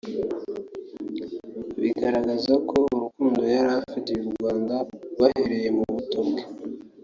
bigaragaza ko urukundo yari afitiye u Rwanda rwahereye mu buto bwe